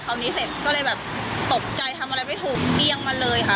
คราวนี้เสร็จก็เลยตกใจทำอะไรไม่ถูกเบี้ยงมาเลยค่ะ